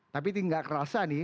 tapi itu nggak kerasa nih